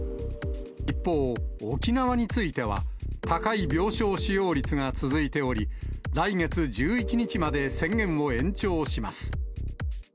一方、沖縄については、高い病床使用率が続いており、来月１１日まで宣言を延長します。